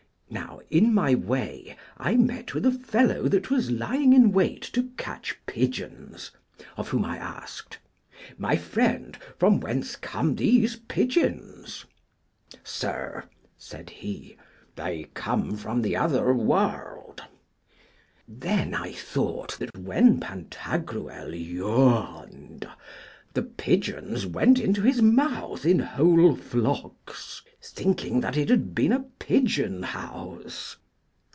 Now, in my way, I met with a fellow that was lying in wait to catch pigeons, of whom I asked, My friend, from whence come these pigeons? Sir, said he, they come from the other world. Then I thought that, when Pantagruel yawned, the pigeons went into his mouth in whole flocks, thinking that it had been a pigeon house.